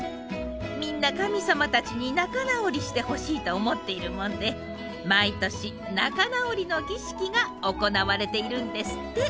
みんな神様たちに仲直りしてほしいと思っているもんで毎年「仲直りの儀式」が行われているんですって。